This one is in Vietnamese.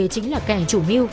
chính là kẻ chủ mưu